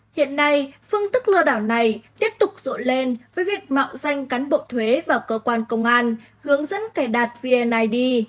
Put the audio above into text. hiện nay phương thức lừa đảo này tiếp tục rộn lên với việc mạo danh cán bộ thuế và cơ quan công an hướng dẫn cài đặt vnid